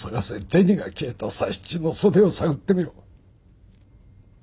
「銭が消えた佐七の袖を探ってみろ」。